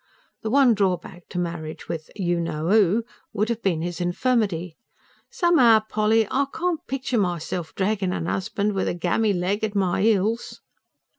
The one drawback to marriage with "you know 'oo" would have been his infirmity. "Some'ow, Polly, I can't picture myself dragging a husband with a gammy leg at my heels."